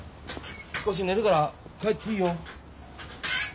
少し寝るから帰っていいよ。